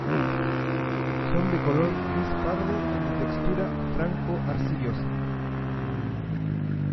Son de color gris pardo y de textura franco-arcillosa.